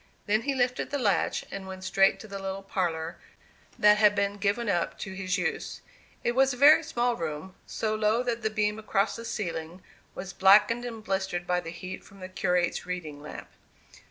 Then he lifted the latch and went straight to the little parlour that had been given up to his use. It was a very small room, so low that the beam across the ceiling was blackened and blistered by the heat from the curate's reading lamp.